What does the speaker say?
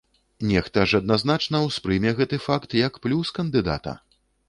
Нехта ж адназначна ўспрыме гэты факт як плюс кандыдата!